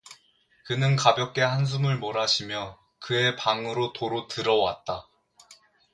그는 가볍게 한숨을 몰아쉬며 그의 방으로 도로 들어왔다.